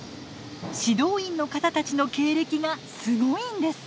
指導員の方たちの経歴がすごいんです。